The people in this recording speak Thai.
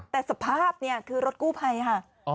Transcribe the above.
แต่สภาพเนี่ยคือรถกู้ภัยค่ะ